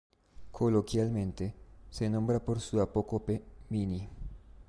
Coloquialmente, se nombra por su apócope "mini".